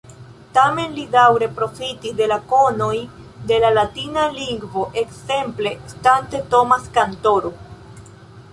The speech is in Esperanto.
Tamen li daŭre profitis de la konoj de la latina lingvo ekzemple estante Thomas-kantoro.